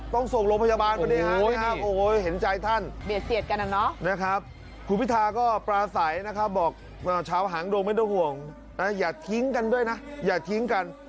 ต้องส่งโรงพยาบาลเป็นแบบนี้ครับโอ้โฮเห็นใจท่าน